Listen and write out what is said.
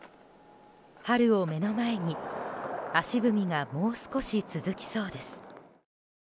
春を目の前に足踏みがもう少し続きそうです。